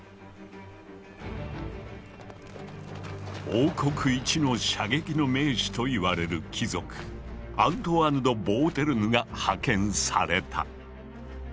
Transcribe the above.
王国一の射撃の名手と言われる貴族アントワーヌ・ド・ボーテルヌが派遣された。